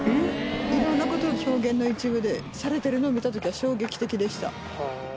いろんなことを表現の一部でされてるのを見たときは、衝撃的でした。